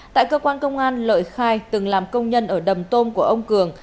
tại cơ quan công an lợi khai từng làm công nhân ở đầm tôm của ông cường